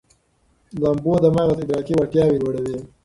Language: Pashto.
لامبو د مغز ادراکي وړتیاوې لوړوي.